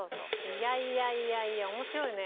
いやいやいやいや面白いね。